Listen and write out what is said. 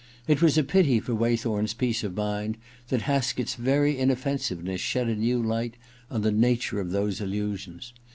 ... It was a pity for Waythorn's peace of mind that Haskett*s very inoffensiveness shed a new light on the nature of those illusions.